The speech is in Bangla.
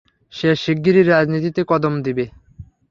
সে শিগগিরই রাজনীতিতে কদম দিবে।